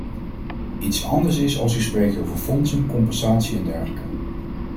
Iets anders is als u spreekt over fondsen, compensatie en dergelijke.